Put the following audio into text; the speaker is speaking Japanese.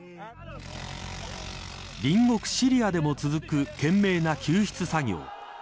隣国シリアでも続く懸命な救出作業。